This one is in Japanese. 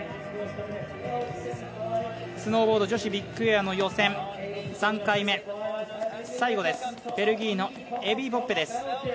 スノーボード女子ビッグエアの予選、３回目、最後です、ベルギーのエビー・ポッペです。